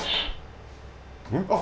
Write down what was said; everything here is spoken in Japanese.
あっ。